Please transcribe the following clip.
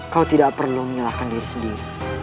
kau tidak perlu menyalahkan diri sendiri